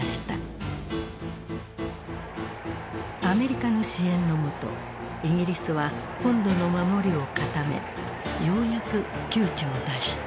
アメリカの支援のもとイギリスは本土の守りを固めようやく窮地を脱した。